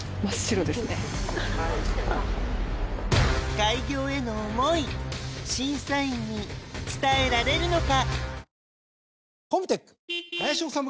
開業への思い審査員に伝えられるのか？